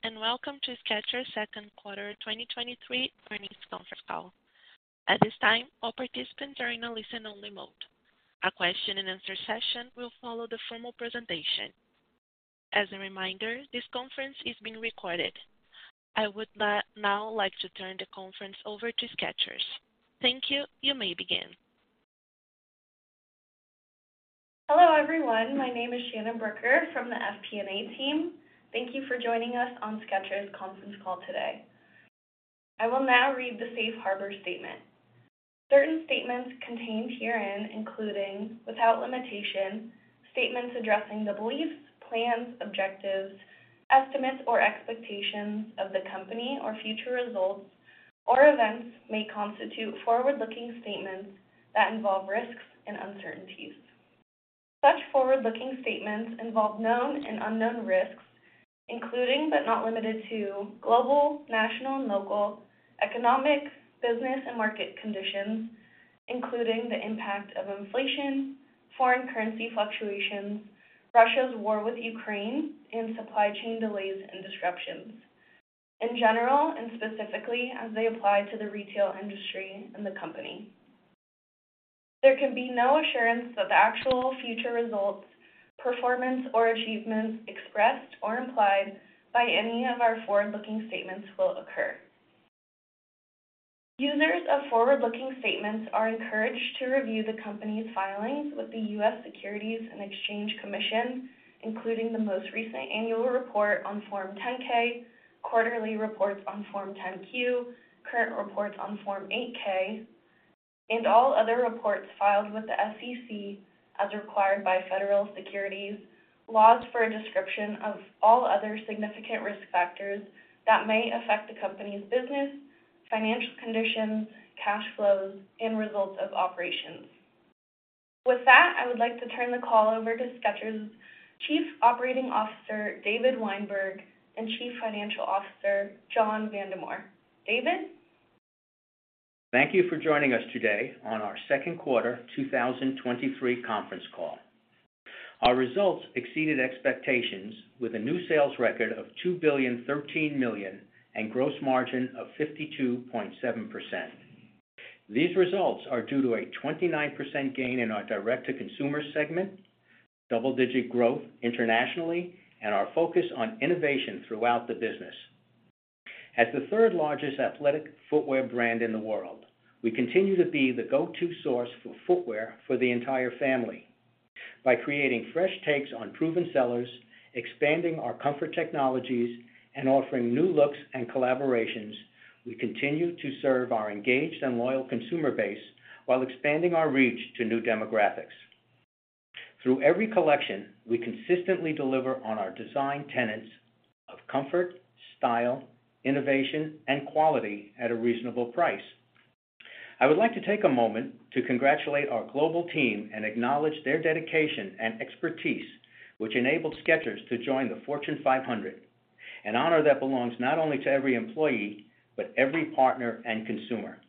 Greetings, and welcome to Skechers' 2Q 2023 Earnings Conference Call. At this time, all participants are in a listen-only mode. A question-and-answer session will follow the formal presentation. As a reminder, this conference is being recorded. I would now like to turn the conference over to Skechers. Thank you. You may begin. Hello, everyone. My name is Shannon Butler from the FP&A team. Thank you for joining us on Skechers' conference call today. I will now read the safe harbor statement. Certain statements contained herein, including, without limitation, statements addressing the beliefs, plans, objectives, estimates, or expectations of the company or future results or events, may constitute forward-looking statements that involve risks and uncertainties. Such forward-looking statements involve known and unknown risks, including, but not limited to global, national, and local economic, business, and market conditions, including the impact of inflation, foreign currency fluctuations, Russia's war with Ukraine, and supply chain delays and disruptions, in general and specifically as they apply to the retail industry and the company. There can be no assurance that the actual future results, performance, or achievements expressed or implied by any of our forward-looking statements will occur. Users of forward-looking statements are encouraged to review the company's filings with the U.S. Securities and Exchange Commission, including the most recent annual report on Form 10-K, quarterly reports on Form 10-Q, current reports on Form 8-K, and all other reports filed with the SEC as required by federal securities laws for a description of all other significant risk factors that may affect the company's business, financial conditions, cash flows, and results of operations. With that, I would like to turn the call over to Skechers' Chief Operating Officer, David Weinberg, and Chief Financial Officer, John Vandemore. David? Thank you for joining us today on our second quarter 2023 conference call. Our results exceeded expectations with a new sales record of $2,013,000,000 and gross margin of 52.7%. These results are due to a 29% gain in our direct-to-consumer segment, double-digit growth internationally, and our focus on innovation throughout the business. As the 3rd largest athletic footwear brand in the world, we continue to be the go-to source for footwear for the entire family. By creating fresh takes on proven sellers, expanding our comfort technologies, and offering new looks and collaborations, we continue to serve our engaged and loyal consumer base while expanding our reach to new demographics. Through every collection, we consistently deliver on our design tenets of comfort, style, innovation, and quality at a reasonable price. I would like to take a moment to congratulate our global team and acknowledge their dedication and expertise, which enabled Skechers to join the Fortune 500, an honor that belongs not only to every employee, but every partner and consumer.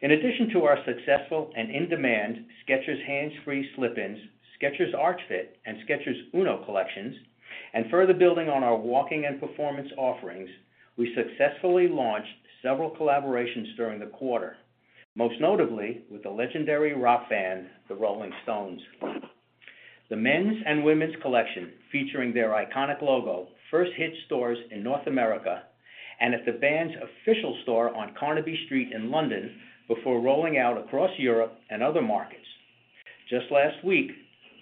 In addition to our successful and in-demand Skechers Hands Free Slip-ins, Skechers Arch Fit, and Skechers Uno collections, and further building on our walking and performance offerings, we successfully launched several collaborations during the quarter, most notably with the legendary rock band, The Rolling Stones. The men's and women's collection, featuring their iconic logo, first hit stores in North America and at the band's official store on Carnaby Street in London, before rolling out across Europe and other markets. Just last week,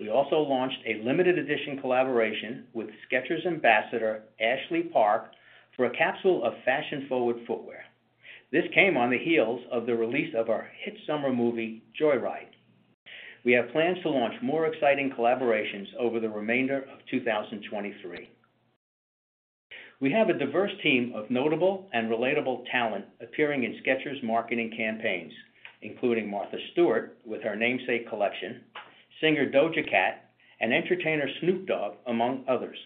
we also launched a limited edition collaboration with Skechers Ambassador, Ashley Park, for a capsule of fashion-forward footwear. This came on the heels of the release of our hit summer movie, Joy Ride. We have plans to launch more exciting collaborations over the remainder of 2023. We have a diverse team of notable and relatable talent appearing in Skechers' marketing campaigns, including Martha Stewart, with our namesake collection, singer Doja Cat, and entertainer Snoop Dogg, among others.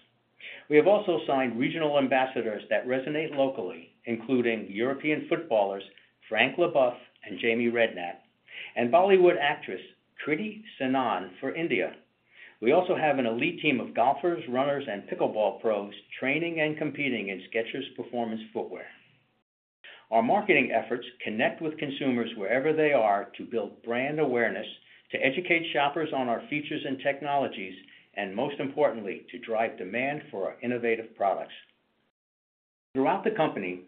We have also signed regional ambassadors that resonate locally, including European footballers Frank Leboeuf and Jamie Redknapp, and Bollywood actress Kriti Sanon for India. We also have an elite team of golfers, runners, and pickleball pros training and competing in Skechers performance footwear. Our marketing efforts connect with consumers wherever they are to build brand awareness, to educate shoppers on our features and technologies, and most importantly, to drive demand for our innovative products. Throughout the company,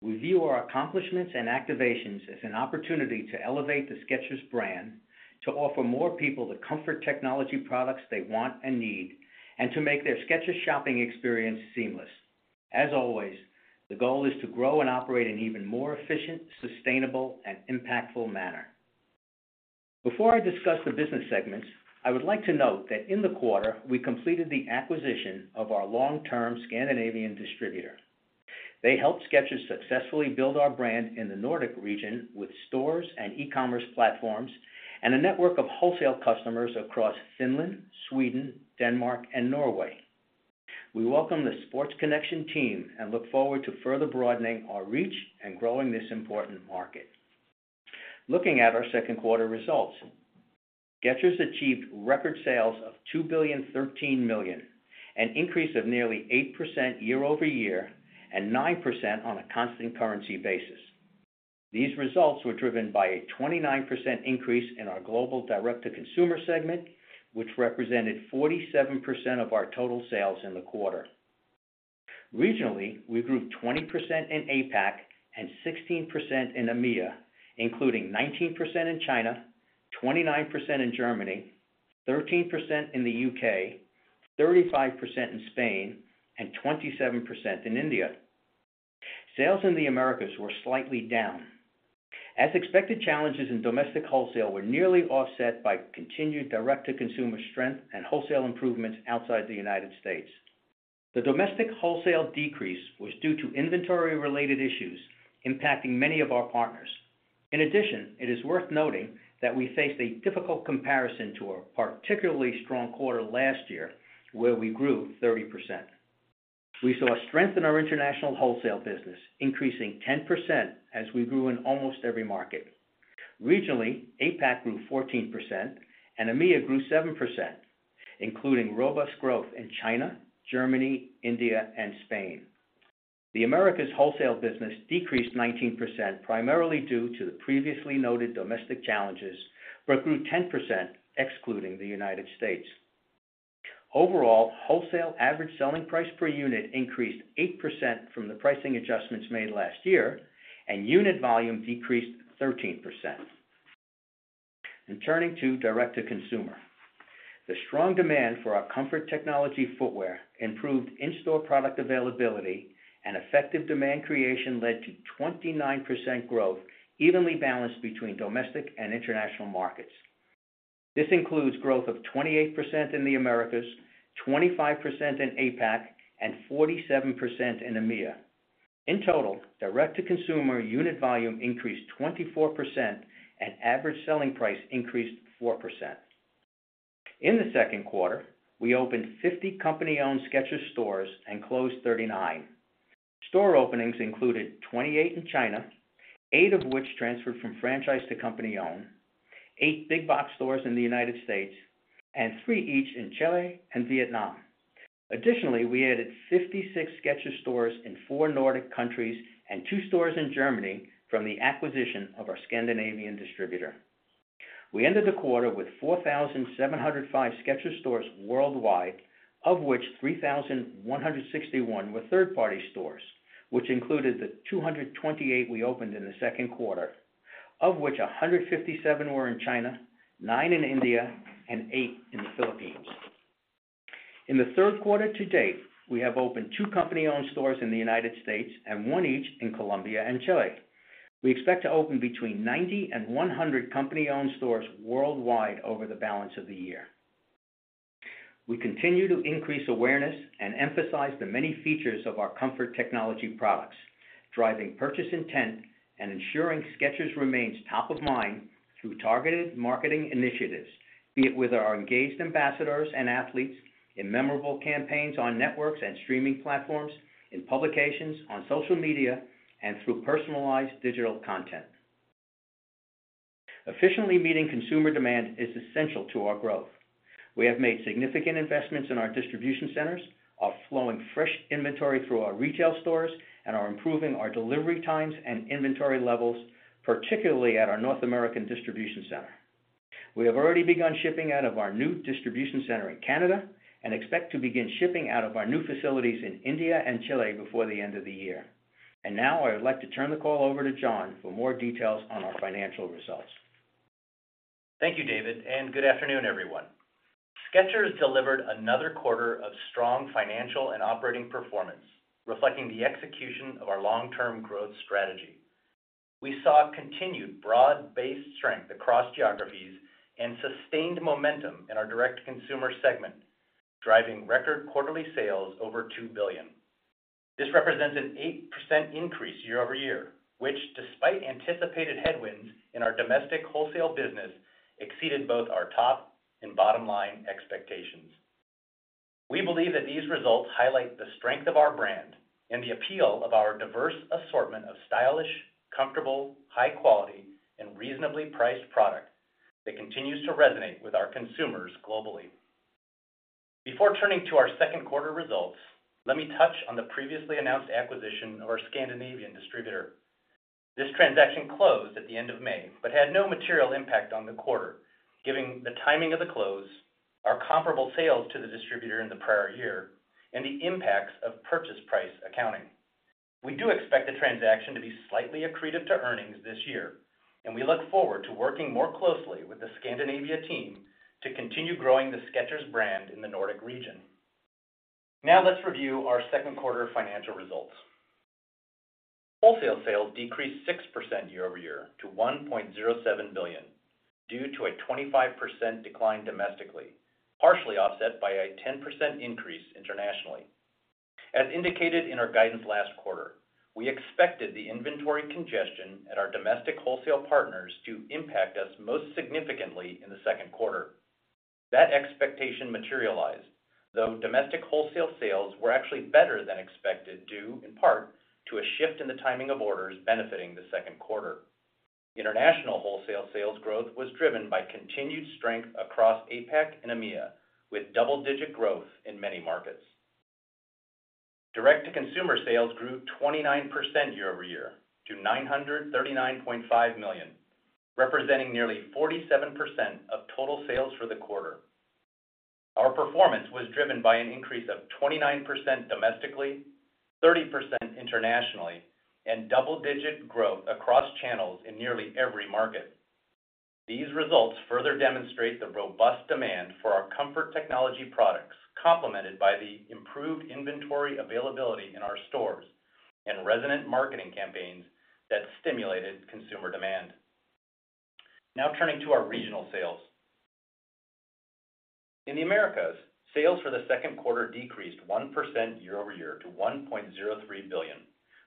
we view our accomplishments and activations as an opportunity to elevate the Skechers brand, to offer more people the comfort technology products they want and need, and to make their Skechers shopping experience seamless. As always, the goal is to grow and operate an even more efficient, sustainable, and impactful manner. Before I discuss the business segments, I would like to note that in the quarter, we completed the acquisition of our long-term Scandinavian distributor. They helped Skechers successfully build our brand in the Nordic region with stores and e-commerce platforms, and a network of wholesale customers across Finland, Sweden, Denmark, and Norway. We welcome the Sports Connection team and look forward to further broadening our reach and growing this important market.... Looking at our second quarter results, Skechers achieved record sales of $2,013,000,000, an increase of nearly 8% year-over-year, and 9% on a constant currency basis. These results were driven by a 29% increase in our global direct-to-consumer segment, which represented 47% of our total sales in the quarter. Regionally, we grew 20% in APAC and 16% in EMEA, including 19% in China, 29% in Germany, 13% in the U.K., 35% in Spain, and 27% in India. Sales in the Americas were slightly down. As expected, challenges in domestic wholesale were nearly offset by continued direct-to-consumer strength and wholesale improvements outside the United States. The domestic wholesale decrease was due to inventory-related issues impacting many of our partners. In addition, it is worth noting that we faced a difficult comparison to a particularly strong quarter last year, where we grew 30%. We saw a strength in our international wholesale business, increasing 10% as we grew in almost every market. Regionally, APAC grew 14% and EMEA grew 7%, including robust growth in China, Germany, India, and Spain. The Americas wholesale business decreased 19%, primarily due to the previously noted domestic challenges, grew 10%, excluding the United States. Overall, wholesale average selling price per unit increased 8% from the pricing adjustments made last year, unit volume decreased 13%. Turning to direct-to-consumer. The strong demand for our comfort technology footwear improved in-store product availability, and effective demand creation led to 29% growth, evenly balanced between domestic and international markets. This includes growth of 28% in the Americas, 25% in APAC, and 47% in EMEA. In total, direct-to-consumer unit volume increased 24%, and average selling price increased 4%. In the second quarter, we opened 50 company-owned Skechers stores and closed 39. Store openings included 28 in China, eight of which transferred from franchise to company-owned, eight big box stores in the United States, and three each in Chile and Vietnam. Additionally, we added 56 Skechers stores in four Nordic countries and two stores in Germany from the acquisition of our Scandinavian distributor. We ended the quarter with 4,705 Skechers stores worldwide, of which 3,161 were third-party stores, which included the 228 we opened in the second quarter, of which 157 were in China, nine in India, and eight in the Philippines. In the third quarter to date, we have opened two company-owned stores in the United States and 1 each in Colombia and Chile. We expect to open between 90 and 100 company-owned stores worldwide over the balance of the year. We continue to increase awareness and emphasize the many features of our comfort technology products, driving purchase intent and ensuring Skechers remains top of mind through targeted marketing initiatives, be it with our engaged ambassadors and athletes, in memorable campaigns on networks and streaming platforms, in publications, on social media, and through personalized digital content. Efficiently meeting consumer demand is essential to our growth. We have made significant investments in our distribution centers, are flowing fresh inventory through our retail stores, and are improving our delivery times and inventory levels, particularly at our North American distribution center. We have already begun shipping out of our new distribution center in Canada, expect to begin shipping out of our new facilities in India and Chile before the end of the year. Now, I would like to turn the call over to John for more details on our financial results. Thank you, David. Good afternoon, everyone. Skechers delivered another quarter of strong financial and operating performance, reflecting the execution of our long-term growth strategy. We saw continued broad-based strength across geographies and sustained momentum in our direct-to-consumer segment, driving record quarterly sales over $2 billion. This represents an 8% increase year-over-year, which, despite anticipated headwinds in our domestic wholesale business, exceeded both our top and bottom line expectations. We believe that these results highlight the strength of our brand and the appeal of our diverse assortment of stylish, comfortable, high quality, and reasonably priced product that continues to resonate with our consumers globally. Before turning to our second quarter results, let me touch on the previously announced acquisition of our Scandinavian distributor. This transaction closed at the end of May, but had no material impact on the quarter, giving the timing of the close, our comparable sales to the distributor in the prior year, and the impacts of purchase price accounting. We do expect the transaction to be slightly accretive to earnings this year, and we look forward to working more closely with the Scandinavia team to continue growing the Skechers brand in the Nordic region. Now, let's review our second quarter financial results. Wholesale sales decreased 6% year-over-year to $1.07 billion, due to a 25% decline domestically, partially offset by a 10% increase internationally. As indicated in our guidance last quarter, we expected the inventory congestion at our domestic wholesale partners to impact us most significantly in the second quarter.... That expectation materialized, though domestic wholesale sales were actually better than expected, due in part to a shift in the timing of orders benefiting the second quarter. International wholesale sales growth was driven by continued strength across APAC and EMEA, with double-digit growth in many markets. Direct-to-consumer sales grew 29% year-over-year to $939.5 million, representing nearly 47% of total sales for the quarter. Our performance was driven by an increase of 29% domestically, 30% internationally, and double-digit growth across channels in nearly every market. These results further demonstrate the robust demand for our comfort technology products, complemented by the improved inventory availability in our stores and resonant marketing campaigns that stimulated consumer demand. Now turning to our regional sales. In the Americas, sales for the second quarter decreased 1% year-over-year to $1.03 billion,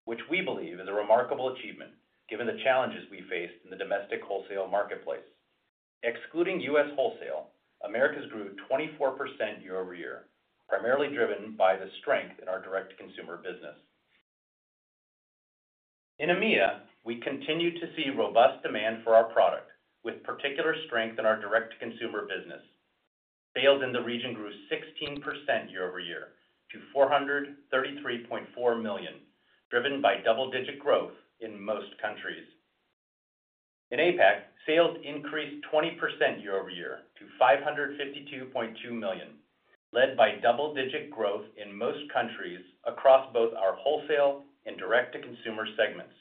which we believe is a remarkable achievement given the challenges we faced in the domestic wholesale marketplace. Excluding U.S. wholesale, Americas grew 24% year-over-year, primarily driven by the strength in our direct-to-consumer business. In EMEA, we continued to see robust demand for our product, with particular strength in our direct-to-consumer business. Sales in the region grew 16% year-over-year to $433.4 million, driven by double-digit growth in most countries. In APAC, sales increased 20% year-over-year to $552.2 million, led by double-digit growth in most countries across both our wholesale and direct-to-consumer segments.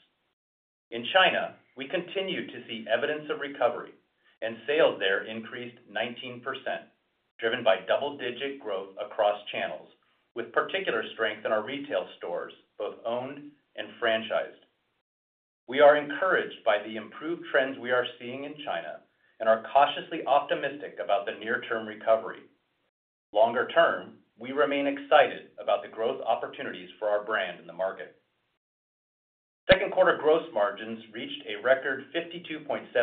In China, we continued to see evidence of recovery, and sales there increased 19%, driven by double-digit growth across channels, with particular strength in our retail stores, both owned and franchised. We are encouraged by the improved trends we are seeing in China and are cautiously optimistic about the near-term recovery. Longer term, we remain excited about the growth opportunities for our brand in the market. Second quarter gross margins reached a record 52.7%,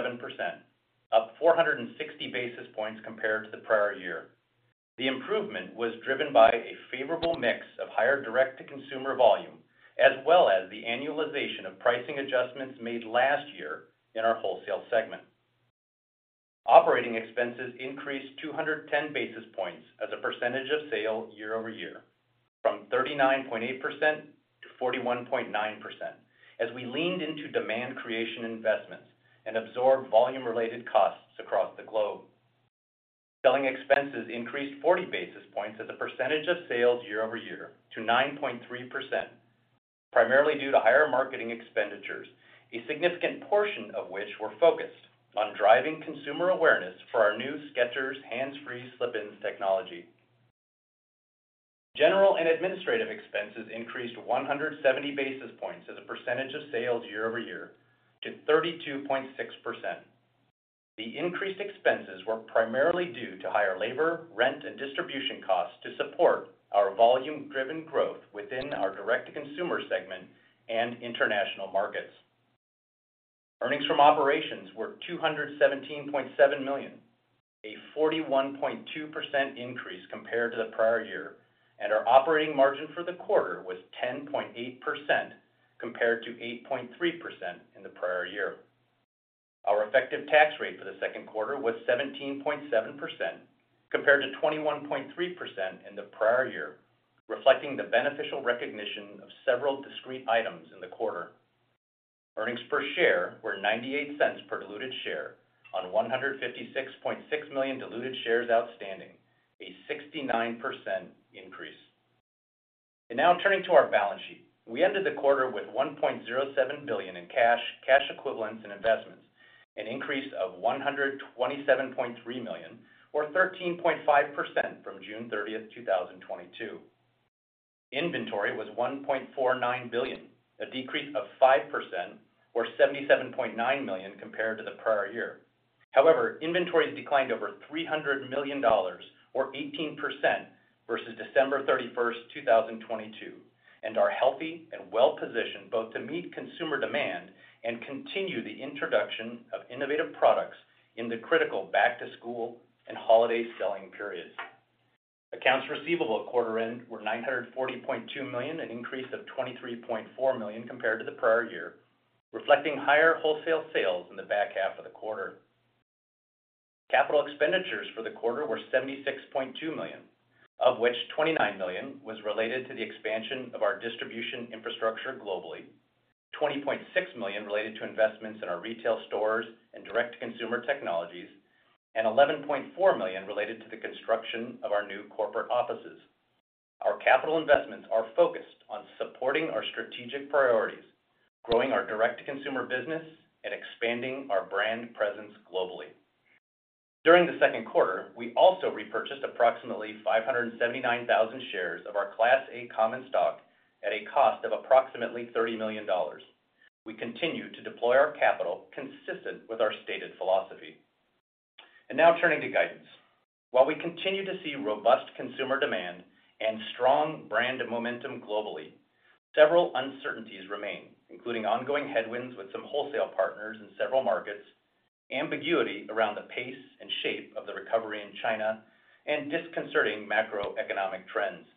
up 460 basis points compared to the prior year. The improvement was driven by a favorable mix of higher direct-to-consumer volume, as well as the annualization of pricing adjustments made last year in our wholesale segment. Operating expenses increased 210 basis points as a percentage of sale year-over-year, from 39.8% to 41.9%, as we leaned into demand creation investments and absorbed volume-related costs across the globe. Selling expenses increased 40 basis points as a percentage of sales year-over-year to 9.3%, primarily due to higher marketing expenditures, a significant portion of which were focused on driving consumer awareness for our new Skechers Hands Free Slip-ins technology. General and administrative expenses increased 170 basis points as a percentage of sales year-over-year to 32.6%. The increased expenses were primarily due to higher labor, rent, and distribution costs to support our volume-driven growth within our direct-to-consumer segment and international markets. Earnings from operations were $217.7 million, a 41.2% increase compared to the prior year, and our operating margin for the quarter was 10.8%, compared to 8.3% in the prior year. Our effective tax rate for the second quarter was 17.7%, compared to 21.3% in the prior year, reflecting the beneficial recognition of several discrete items in the quarter. Earnings per share were $0.98 per diluted share on 156.6 million diluted shares outstanding, a 69% increase. Now turning to our balance sheet. We ended the quarter with $1.07 billion in cash, cash equivalents, and investments, an increase of $127.3 million, or 13.5% from June 30th, 2022. Inventory was $1.49 billion, a decrease of 5%, or $77.9 million compared to the prior year. However, inventories declined over $300 million, or 18%, versus December 31, 2022, and are healthy and well-positioned both to meet consumer demand and continue the introduction of innovative products in the critical back to school and holiday selling periods. Accounts receivable at quarter end were $940.2 million, an increase of $23.4 million compared to the prior year, reflecting higher wholesale sales in the back half of the quarter. Capital expenditures for the quarter were $76.2 million, of which $29 million was related to the expansion of our distribution infrastructure globally, $20.6 million related to investments in our retail stores and direct-to-consumer technologies, and $11.4 million related to the construction of our new corporate offices. Our capital investments are focused on supporting our strategic priorities, growing our direct-to-consumer business, and expanding our brand presence globally. During the second quarter, we also repurchased approximately 579,000 shares of our Class A common stock at a cost of approximately $30 million. We continue to deploy our capital consistent with our stated philosophy. Now turning to guidance. While we continue to see robust consumer demand and strong brand momentum globally,... Several uncertainties remain, including ongoing headwinds with some wholesale partners in several markets, ambiguity around the pace and shape of the recovery in China, and disconcerting macroeconomic trends.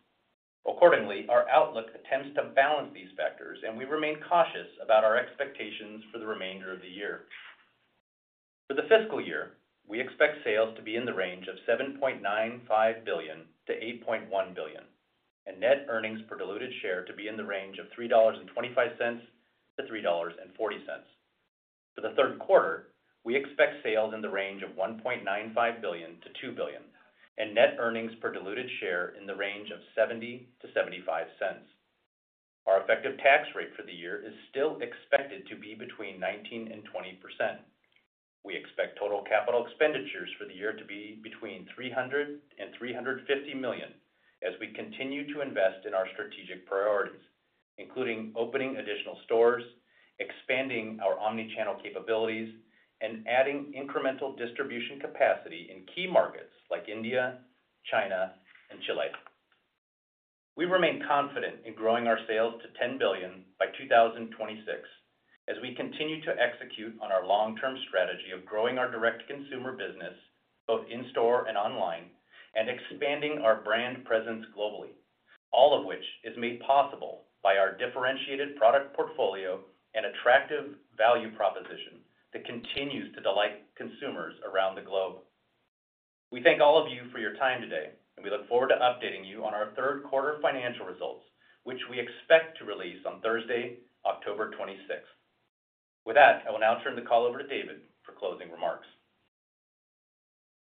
Accordingly, our outlook attempts to balance these factors, and we remain cautious about our expectations for the remainder of the year. For the fiscal year, we expect sales to be in the range of $7.95 billion-$8.1 billion, and net earnings per diluted share to be in the range of $3.25-$3.40. For the third quarter, we expect sales in the range of $1.95 billion-$2 billion, and net earnings per diluted share in the range of $0.70-$0.75. Our effective tax rate for the year is still expected to be between 19% and 20%. We expect total capital expenditures for the year to be between $300 million-$350 million as we continue to invest in our strategic priorities, including opening additional stores, expanding our omni-channel capabilities, and adding incremental distribution capacity in key markets like India, China, and Chile. We remain confident in growing our sales to $10 billion by 2026, as we continue to execute on our long-term strategy of growing our direct-to-consumer business, both in-store and online, and expanding our brand presence globally, all of which is made possible by our differentiated product portfolio and attractive value proposition that continues to delight consumers around the globe. We thank all of you for your time today, and we look forward to updating you on our third quarter financial results, which we expect to release on Thursday, October 26th.With that, I will now turn the call over to David for closing remarks.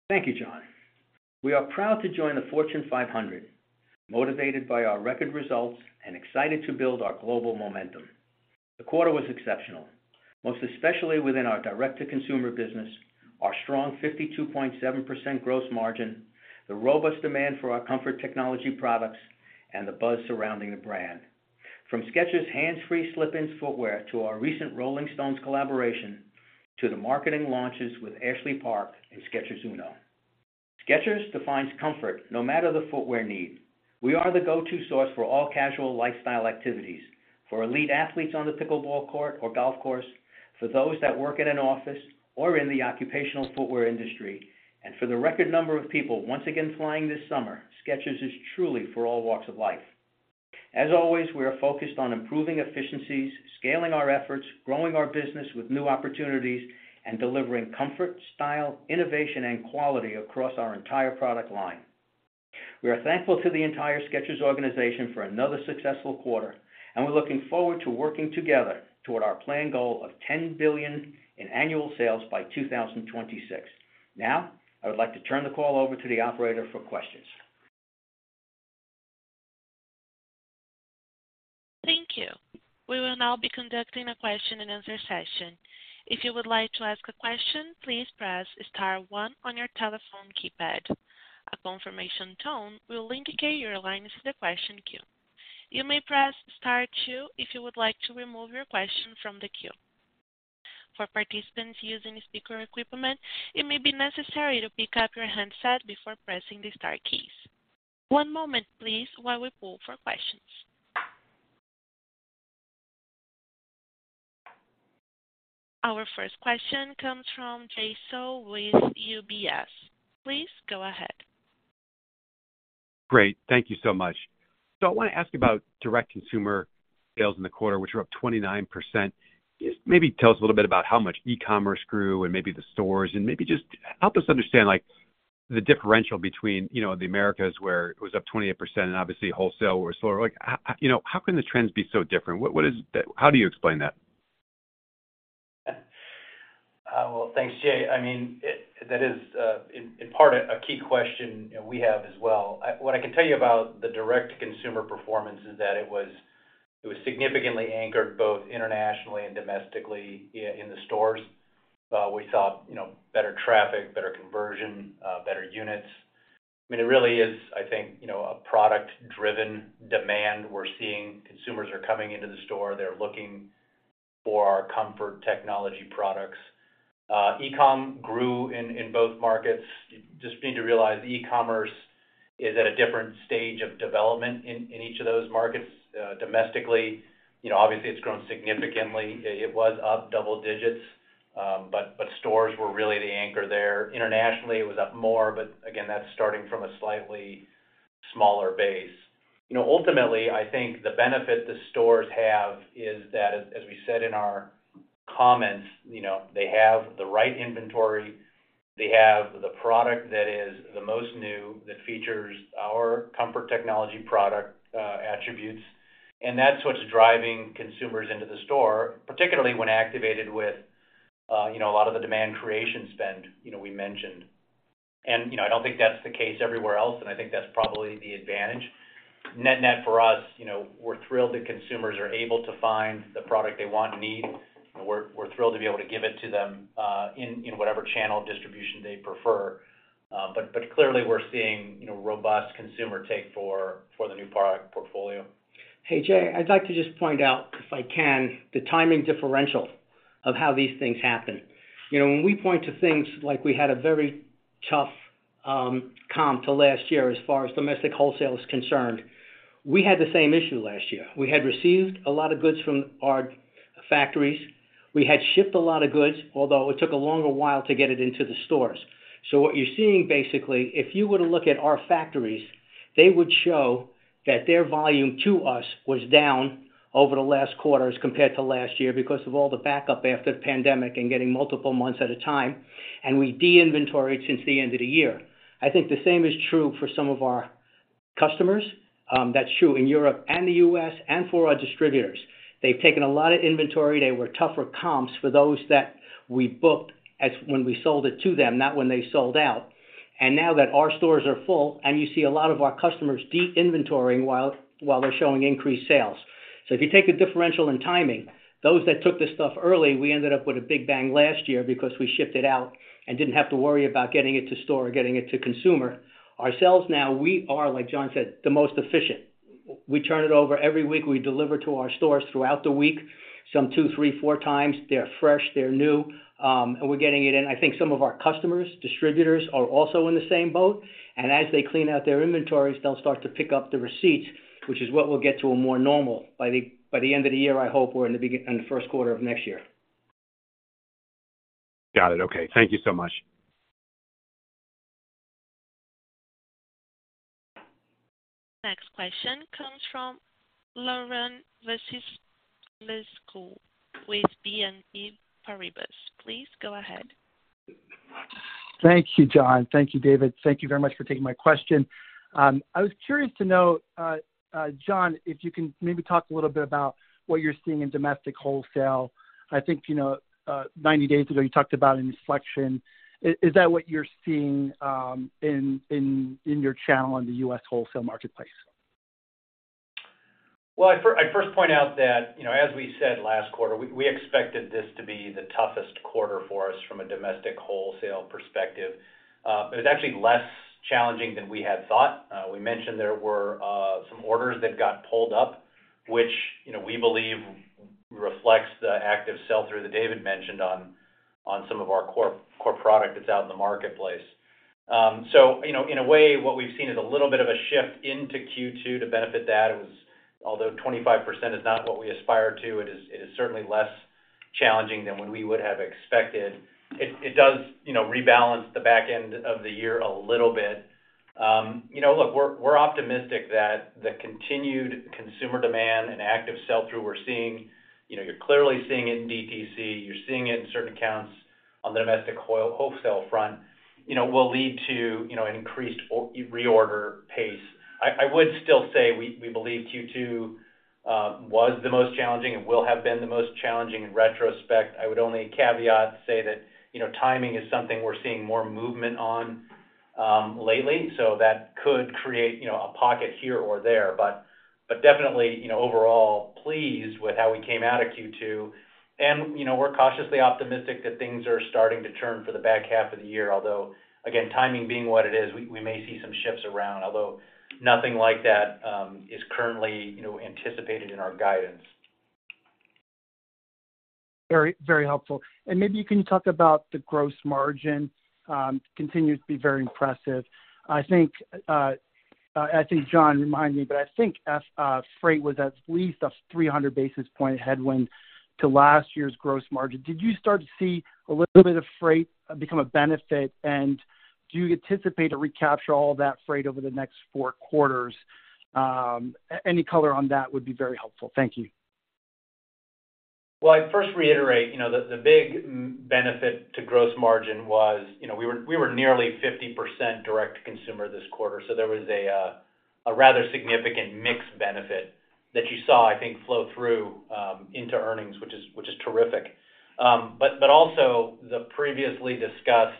Thank you, John. We are proud to join the Fortune 500, motivated by our record results and excited to build our global momentum. The quarter was exceptional, most especially within our direct-to-consumer business, our strong 52.7% gross margin, the robust demand for our comfort technology products, and the buzz surrounding the brand. From Skechers Hands Free Slip-ins footwear to our recent Rolling Stones collaboration, to the marketing launches with Ashley Park and Skechers Uno. Skechers defines comfort no matter the footwear need. We are the go-to source for all casual lifestyle activities, for elite athletes on the pickleball court or golf course, for those that work in an office or in the occupational footwear industry, and for the record number of people once again flying this summer, Skechers is truly for all walks of life. As always, we are focused on improving efficiencies, scaling our efforts, growing our business with new opportunities, and delivering comfort, style, innovation, and quality across our entire product line. We are thankful to the entire Skechers organization for another successful quarter, and we're looking forward to working together toward our planned goal of $10 billion in annual sales by 2026. Now, I would like to turn the call over to the operator for questions. Thank you. We will now be conducting a question-and-answer session. If you would like to ask a question, please press star one on your telephone keypad. A confirmation tone will indicate your line is in the question queue. You may press Star two if you would like to remove your question from the queue. For participants using speaker equipment, it may be necessary to pick up your handset before pressing the star keys. One moment, please, while we pull for questions. Our first question comes from Jay Sole with UBS. Please go ahead. Great. Thank you so much. I want to ask you about direct consumer sales in the quarter, which were up 29%. Maybe tell us a little bit about how much e-commerce grew and maybe the stores, and maybe just help us understand, like, the differential between, you know, the Americas, where it was up 28% and obviously, wholesale were slower. Like, how, you know, how can the trends be so different? What, what is... How do you explain that? Well, thanks, Jay. I mean, that is, in, in part a key question, you know, we have as well. What I can tell you about the direct-to-consumer performance is that it was, it was significantly anchored, both internationally and domestically, in, in the stores. We saw, you know, better traffic, better conversion, better units. I mean, it really is, I think, you know, a product-driven demand. We're seeing consumers are coming into the store, they're looking for our comfort technology products. E-com grew in, in both markets. You just need to realize e-commerce is at a different stage of development in, in each of those markets. Domestically, you know, obviously, it's grown significantly. It was up double digits, but, but stores were really the anchor there. Internationally, it was up more, but again, that's starting from a slightly smaller base. You know, ultimately, I think the benefit the stores have is that, as, as we said in our comments, you know, they have the right inventory, they have the product that is the most new, that features our comfort technology product, attributes, and that's what's driving consumers into the store, particularly when activated with, you know, a lot of the demand creation spend, you know, we mentioned. You know, I don't think that's the case everywhere else, and I think that's probably the advantage. Net-net for us, you know, we're thrilled that consumers are able to find the product they want and need. We're, we're thrilled to be able to give it to them, in, in whatever channel distribution they prefer. Clearly, we're seeing, you know, robust consumer take for, for the new product portfolio. Hey, Jay, I'd like to just point out, if I can, the timing differential of how these things happen. You know, when we point to things like we had a very tough- comp to last year as far as domestic wholesale is concerned. We had the same issue last year. We had received a lot of goods from our factories. We had shipped a lot of goods, although it took a longer while to get it into the stores. What you're seeing, basically, if you were to look at our factories, they would show that their volume to us was down over the last quarters compared to last year because of all the backup after the pandemic and getting multiple months at a time, and we de-inventoried since the end of the year. I think the same is true for some of our customers. That's true in Europe and the U.S. and for our distributors. They've taken a lot of inventory. They were tougher comps for those that we booked as when we sold it to them, not when they sold out. Now that our stores are full and you see a lot of our customers de-inventoring while they're showing increased sales. If you take the differential in timing, those that took the stuff early, we ended up with a big bang last year because we shipped it out and didn't have to worry about getting it to store or getting it to consumer. Ourselves now, we are, like John said, the most efficient. We turn it over every week. We deliver to our stores throughout the week, some two, three, four times. They're fresh, they're new, and we're getting it in. I think some of our customers, distributors, are also in the same boat, and as they clean out their inventories, they'll start to pick up the receipts, which is what we'll get to a more normal by the end of the year, I hope, or in the first quarter of next year. Got it. Okay. Thank you so much. Next question comes from Laurent Vasilescu with BNP Paribas. Please go ahead. Thank you, John. Thank you, David. Thank you very much for taking my question. I was curious to know, John, if you can maybe talk a little bit about what you're seeing in domestic wholesale. I think, you know, 90 days ago, you talked about an inflection. Is, is that what you're seeing in your channel in the U.S. wholesale marketplace? Well, I fir-- I'd first point out that, you know, as we said last quarter, we, we expected this to be the toughest quarter for us from a domestic wholesale perspective. It was actually less challenging than we had thought. We mentioned there were some orders that got pulled up, which, you know, we believe reflects the active sell-through that David mentioned on some of our core, core product that's out in the marketplace. So you know, in a way, what we've seen is a little bit of a shift into Q2 to benefit that. It was... Although 25% is not what we aspire to, it is, it is certainly less challenging than what we would have expected. It, it does, you know, rebalance the back end of the year a little bit. You know, look, we're, we're optimistic that the continued consumer demand and active sell-through we're seeing, you know, you're clearly seeing it in DTC, you're seeing it in certain accounts on the domestic whole- wholesale front, you know, will lead to, you know, an increased or reorder pace. I, I would still say we, we believe Q2 was the most challenging and will have been the most challenging in retrospect. I would only caveat to say that, you know, timing is something we're seeing more movement on, lately, so that could create, you know, a pocket here or there. Definitely, you know, overall, pleased with how we came out of Q2. You know, we're cautiously optimistic that things are starting to turn for the back half of the year. Although, again, timing being what it is, we may see some shifts around, although nothing like that is currently, you know, anticipated in our guidance. Very, very helpful. Maybe you can talk about the gross margin, continued to be very impressive. I think, I think John, remind me, but I think freight was at least a 300 basis point headwind to last year's gross margin. Did you start to see a little bit of freight become a benefit, and do you anticipate to recapture all of that freight over the next four quarters? Any color on that would be very helpful. Thank you. I'd first reiterate, you know, the big benefit to gross margin was, you know, we were, we were nearly 50% direct-to-consumer this quarter, so there was a rather significant mix benefit that you saw, I think, flow through into earnings, which is, which is terrific. Also the previously discussed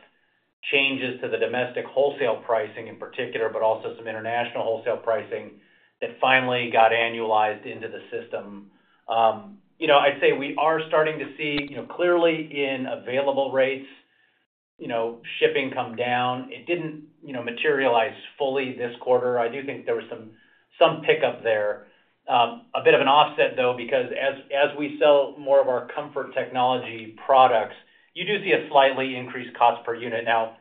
changes to the domestic wholesale pricing in particular, but also some international wholesale pricing that finally got annualized into the system. You know, I'd say we are starting to see, you know, clearly in available rates, you know, shipping come down. It didn't, you know, materialize fully this quarter. I do think there was some, some pickup there. A bit of an offset, though, because as, as we sell more of our comfort technology products, you do see a slightly increased cost per unit. Now,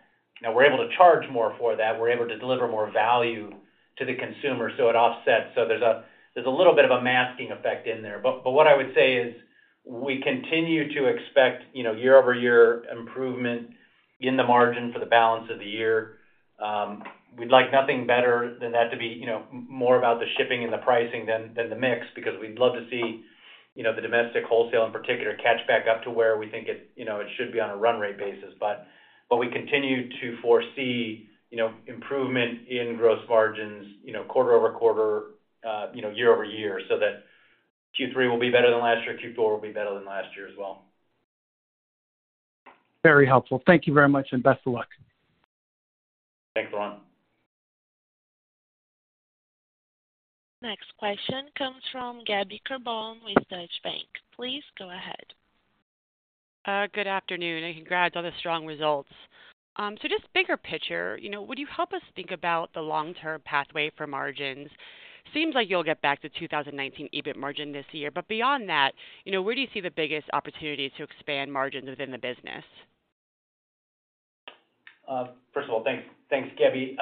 we're able to charge more for that. We're able to deliver more value to the consumer, so it offsets. There's a, there's a little bit of a masking effect in there. But, what I would say is, we continue to expect, you know, year-over-year improvement in the margin for the balance of the year. We'd like nothing better than that to be, you know, more about the shipping and the pricing than, than the mix, because we'd love to see, you know, the domestic wholesale, in particular, catch back up to where we think it, you know, it should be on a run rate basis. We continue to foresee, you know, improvement in gross margins, you know, quarter over quarter, you know, year over year, so that Q3 will be better than last year, Q4 will be better than last year as well. Very helpful. Thank you very much, and best of luck. Thanks, Laurent. Next question comes from Gabby Carbone with Deutsche Bank. Please go ahead. Good afternoon. Congrats on the strong results. Just bigger picture, you know, would you help us think about the long-term pathway for margins? Seems like you'll get back to 2019 EBIT margin this year. Beyond that, you know, where do you see the biggest opportunity to expand margins within the business? First of all, thanks, thanks, Gabby.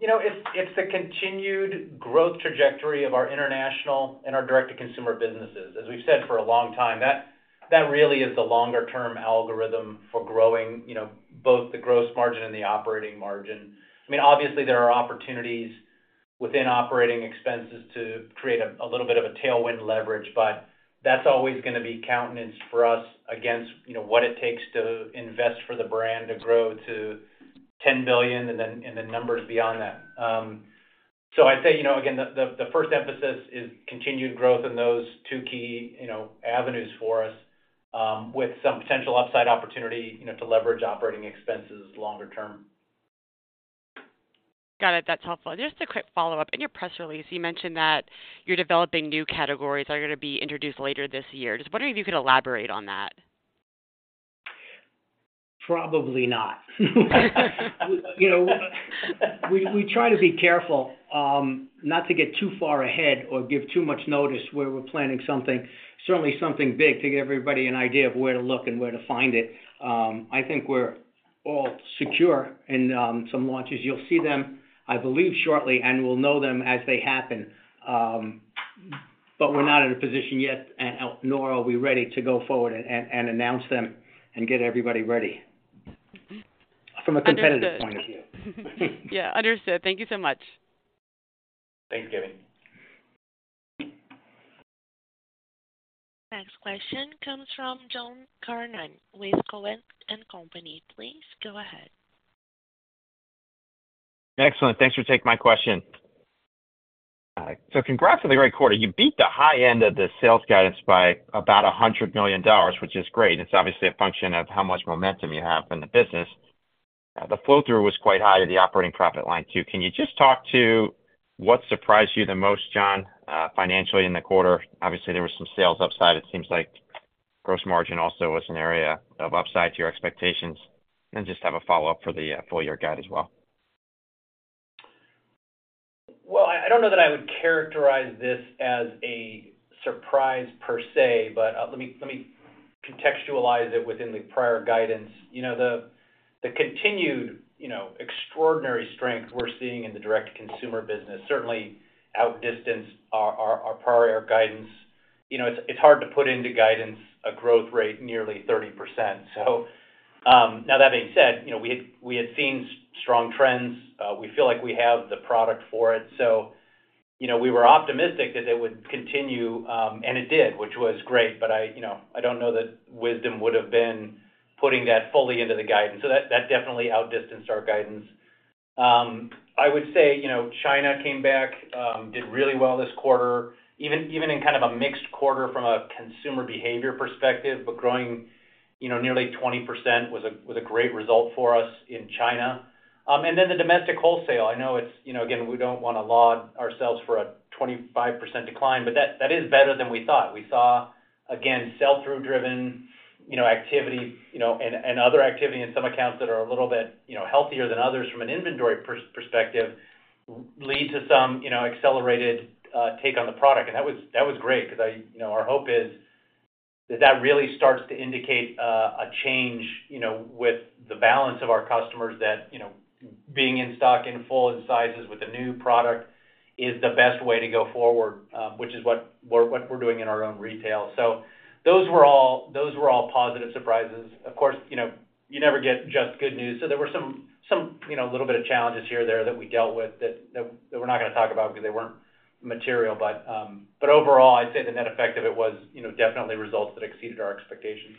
You know, it's, it's the continued growth trajectory of our international and our direct-to-consumer businesses. As we've said for a long time, that, that really is the longer-term algorithm for growing, you know, both the gross margin and the operating margin. I mean, obviously, there are opportunities within operating expenses to create a, a little bit of a tailwind leverage, but that's always gonna be counterbalance for us against, you know, what it takes to invest for the brand to grow to 10 billion and then, and then numbers beyond that. I'd say, you know, again, the, the, the first emphasis is continued growth in those two key, you know, avenues for us, with some potential upside opportunity, you know, to leverage operating expenses longer term. Got it. That's helpful. Just a quick follow-up. In your press release, you mentioned that you're developing new categories that are going to be introduced later this year. Just wondering if you could elaborate on that. Probably not. You know, we, we try to be careful, not to get too far ahead or give too much notice where we're planning something, certainly something big, to give everybody an idea of where to look and where to find it. I think we're all secure in some launches. You'll see them, I believe, shortly, and we'll know them as they happen. We're not in a position yet, and nor are we ready to go forward and announce them and get everybody ready, from a competitive point of view. Yeah, understood. Thank you so much. Thanks, Gabby. Next question comes from John Kernan with Cowen and Company. Please go ahead. Excellent. Thanks for taking my question. Congrats on the great quarter. You beat the high end of the sales guidance by about $100 million, which is great. It's obviously a function of how much momentum you have in the business. The flow-through was quite high to the operating profit line, too. Can you just talk to what surprised you the most, John, financially in the quarter? Obviously, there was some sales upside. It seems like gross margin also was an area of upside to your expectations. Just have a follow-up for the full year guide as well. I don't know that I would characterize this as a surprise per se, but, let me, let me contextualize it within the prior guidance. You know, the, the continued, you know, extraordinary strength we're seeing in the direct-to-consumer business, certainly outdistanced our, our, our prior guidance. You know, it's, it's hard to put into guidance a growth rate nearly 30%. Now that being said, you know, we had, we had seen strong trends. We feel like we have the product for it. You know, we were optimistic that it would continue, and it did, which was great, but I, you know, I don't know that wisdom would have been putting that fully into the guidance. That, that definitely outdistanced our guidance. I would say, you know, China came back, did really well this quarter, even, even in kind of a mixed quarter from a consumer behavior perspective, but growing, you know, nearly 20% was a, was a great result for us in China. And then the domestic wholesale. I know it's... You know, again, we don't want to laud ourselves for a 25% decline, but that, that is better than we thought. We saw, again, sell-through driven, you know, activity, you know, and, and other activity in some accounts that are a little bit, you know, healthier than others from an inventory perspective, lead to some, you know, accelerated take on the product. That was, that was great because you know, our hope is that that really starts to indicate a change, you know, with the balance of our customers that, you know, being in stock, in full, in sizes with a new product is the best way to go forward, which is what we're doing in our own retail. Those were all, those were all positive surprises. Of course, you know, you never get just good news. There were some, some, you know, little bit of challenges here and there that we dealt with that, that, that we're not gonna talk about because they weren't material. Overall, I'd say the net effect of it was, you know, definitely results that exceeded our expectations.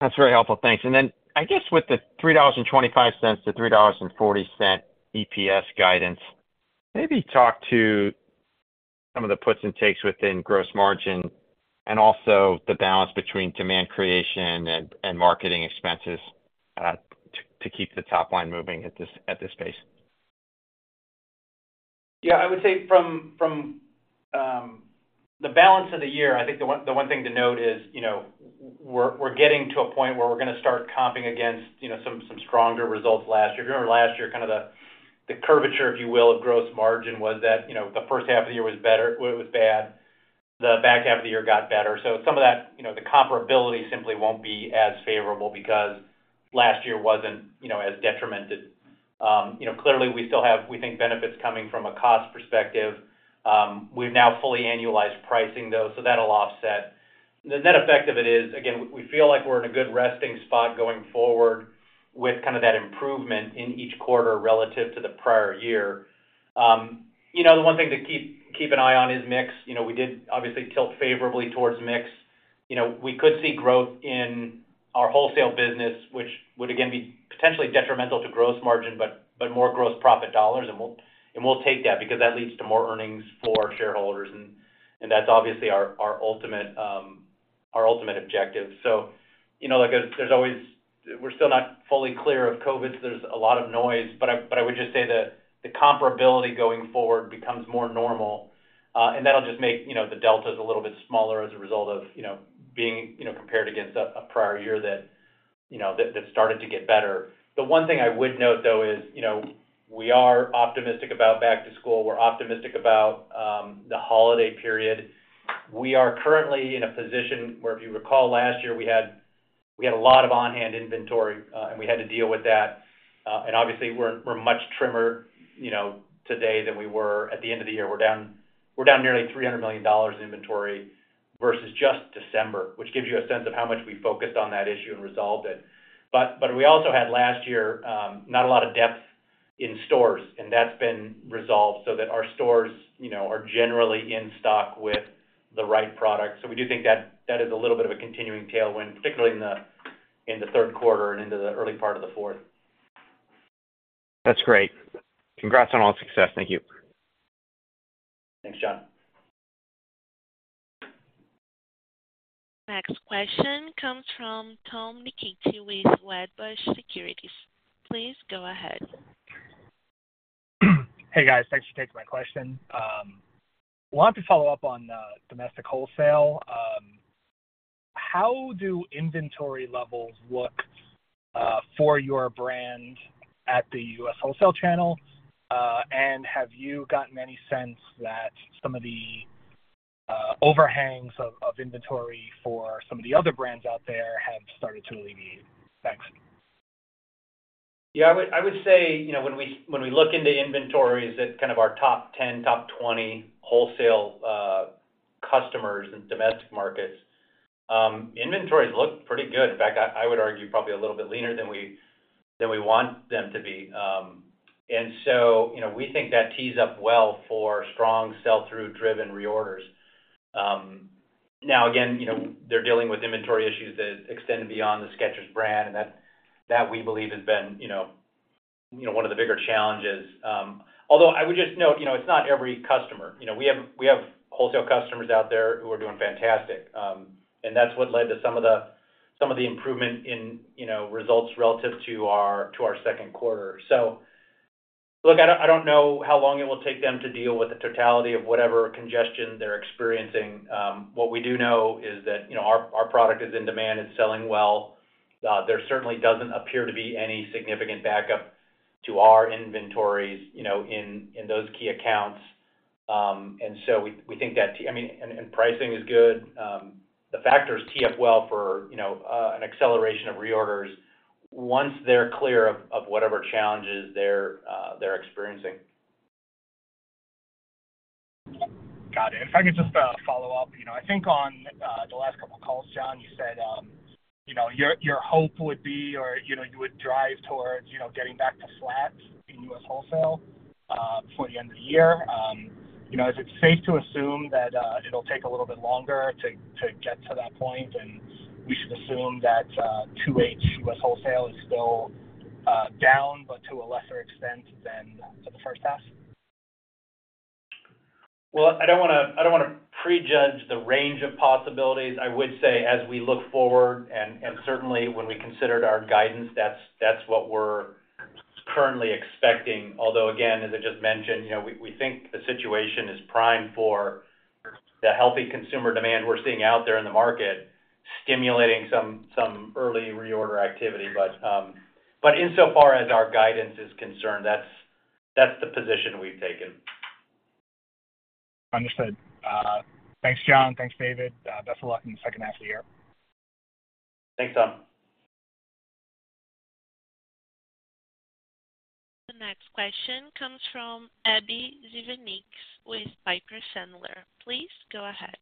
That's very helpful. Thanks. Then I guess with the $3.25-$3.40 EPS guidance, maybe talk to some of the puts and takes within gross margin and also the balance between demand creation and, and marketing expenses, to, to keep the top line moving at this, at this pace. Yeah, I would say from, from, the balance of the year, I think the one, the one thing to note is, you know, we're, we're getting to a point where we're gonna start comping against, you know, some, some stronger results last year. If you remember last year, kind of the, the curvature, if you will, of gross margin, was that, you know, the first half of the year was better, it was bad, the back half of the year got better. Some of that, you know, the comparability simply won't be as favorable because last year wasn't, you know, as detrimented. You know, clearly, we still have, we think, benefits coming from a cost perspective. We've now fully annualized pricing, though, so that'll offset. The net effect of it is, again, we feel like we're in a good resting spot going forward with kind of that improvement in each quarter relative to the prior year. You know, the one thing to keep, keep an eye on is mix. You know, we did obviously tilt favorably towards mix. You know, we could see growth in our wholesale business, which would again be potentially detrimental to gross margin, but, but more gross profit dollars, and we'll, and we'll take that because that leads to more earnings for shareholders, and, and that's obviously our, our ultimate, our ultimate objective. You know, like, there's always we're still not fully clear of COVID, so there's a lot of noise. I, but I would just say that the comparability going forward becomes more normal. and that'll just make, you know, the deltas a little bit smaller as a result of, you know, being, you know, compared against a, a prior year that, you know, that, that started to get better. The one thing I would note, though, is, you know, we are optimistic about back to school. We're optimistic about the holiday period. We are currently in a position where, if you recall, last year we had, we had a lot of on-hand inventory, and we had to deal with that. And obviously, we're, we're much trimmer, you know, today than we were at the end of the year. We're down, we're down nearly $300 million in inventory versus just December, which gives you a sense of how much we focused on that issue and resolved it. We also had last year, not a lot of depth in stores, and that's been resolved so that our stores, you know, are generally in stock with the right product. We do think that, that is a little bit of a continuing tailwind, particularly in the, in the third quarter and into the early part of the fourth. That's great. Congrats on all the success. Thank you. Thanks, John. Next question comes from Tom Nikic with Wedbush Securities. Please go ahead. Hey, guys. Thanks for taking my question. wanted to follow up on domestic wholesale. how do inventory levels look for your brand at the U.S. wholesale channel? Have you gotten any sense that some of the overhangs of, of inventory for some of the other brands out there have started to alleviate? Thanks. I would, I would say, you know, when we, when we look into inventories at kind of our top 10, top 20 wholesale customers and domestic markets, inventories look pretty good. In fact, I, I would argue probably a little bit leaner than we, than we want them to be. So, you know, we think that tees up well for strong sell-through driven reorders. Again, you know, they're dealing with inventory issues that extend beyond the Skechers brand, and that, that, we believe, has been, you know, you know, one of the bigger challenges. I would just note, you know, it's not every customer. You know, we have, we have wholesale customers out there who are doing fantastic. That's what led to some of the, some of the improvement in, you know, results relative to our, to our second quarter. Look, I don't know how long it will take them to deal with the totality of whatever congestion they're experiencing. What we do know is that, you know, our, our product is in demand and selling well. There certainly doesn't appear to be any significant backup to our inventories, you know, in, in those key accounts. So we, we think that, I mean. And pricing is good. The factors tee up well for, you know, an acceleration of reorders once they're clear of, of whatever challenges they're, they're experiencing. Got it. If I could just follow up. You know, I think on the last couple of calls, John, you said, you know, your, your hope would be, or, you know, you would drive towards, you know, getting back to flat in U.S. wholesale before the end of the year. You know, is it safe to assume that it'll take a little bit longer to get to that point, and we should assume that 2H U.S. wholesale is still down, but to a lesser extent than to the first half? Well, I don't wanna, I don't wanna pre-judge the range of possibilities. I would say, as we look forward, and, and certainly when we considered our guidance, that's, that's what we're currently expecting. Although, again, as I just mentioned, you know, we, we think the situation is primed for the healthy consumer demand we're seeing out there in the market, stimulating some, some early reorder activity. Insofar as our guidance is concerned, that's, that's the position we've taken. Understood. Thanks, John. Thanks, David. Best of luck in the second half of the year. Thanks, Tom. The next question comes from Abbie Zvejnieks with Piper Sandler. Please go ahead.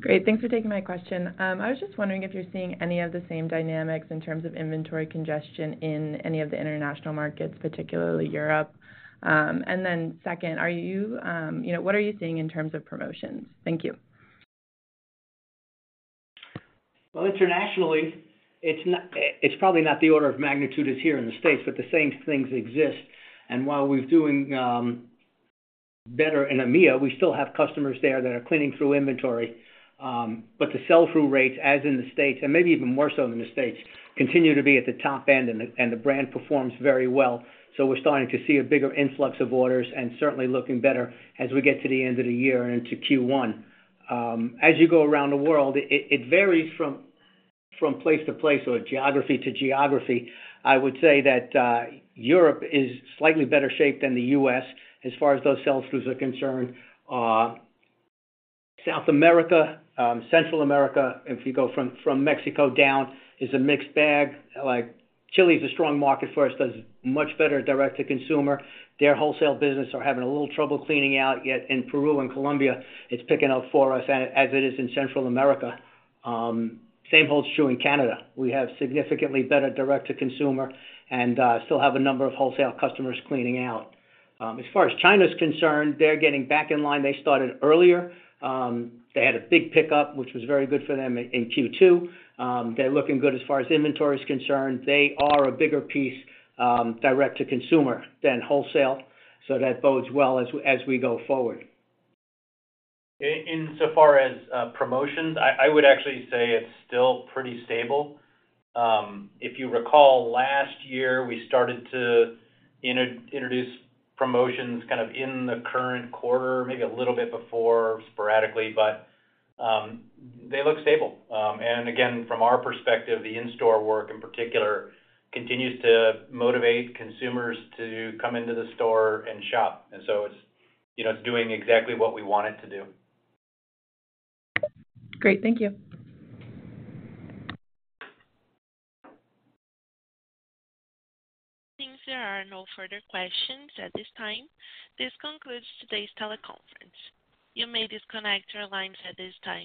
Great. Thanks for taking my question. I was just wondering if you're seeing any of the same dynamics in terms of inventory congestion in any of the international markets, particularly Europe. Then second, are you, you know, what are you seeing in terms of promotions? Thank you. Internationally, it's not-- it, it's probably not the order of magnitude as here in the States, but the same things exist. While we're doing better in EMEA, we still have customers there that are cleaning through inventory. But the sell-through rates, as in the States, and maybe even more so than the States, continue to be at the top end, and the, and the brand performs very well. We're starting to see a bigger influx of orders and certainly looking better as we get to the end of the year and into Q1. As you go around the world, it, it varies from, from place to place or geography to geography. I would say that Europe is slightly better shape than the U.S. as far as those sell-throughs are concerned. South America, Central America, if you go from, from Mexico down, is a mixed bag. Like, Chile is a strong market for us, does much better direct-to-consumer. Their wholesale business are having a little trouble cleaning out, yet in Peru and Colombia, it's picking up for us as, as it is in Central America. Same holds true in Canada. We have significantly better direct-to-consumer and still have a number of wholesale customers cleaning out. As far as China is concerned, they're getting back in line. They started earlier. They had a big pickup, which was very good for them in Q2. They're looking good as far as inventory is concerned. They are a bigger piece, direct-to-consumer than wholesale, so that bodes well as we, as we go forward. Insofar as promotions, I would actually say it's still pretty stable. If you recall, last year, we started to introduce promotions kind of in the current quarter, maybe a little bit before, sporadically, but they look stable. Again, from our perspective, the in-store work, in particular, continues to motivate consumers to come into the store and shop. So it's, you know, it's doing exactly what we want it to do. Great. Thank you. Thanks. There are no further questions at this time. This concludes today's teleconference. You may disconnect your lines at this time.